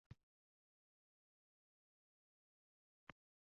Beozorgina ko`rinib, eng yaxshi do`stimning boshiga etding-a